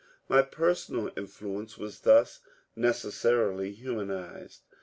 My personal influence was thus neces sarily humanized.